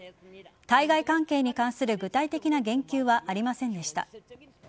対外関係に関する具体的な言及はありませんでした。